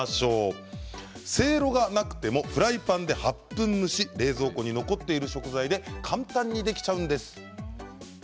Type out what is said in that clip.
せいろがなくてもフライパンで８分蒸し冷蔵庫に残っている食材で簡単にできちゃうんです。